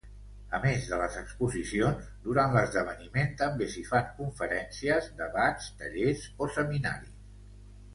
A més de les exposicions, durant l'esdeveniment també s'hi fan conferències, debats, tallers o seminaris.